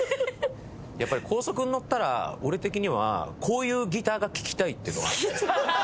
やっぱり高速にのったら俺的にはこういうギターが聴きたいっていうのがあって。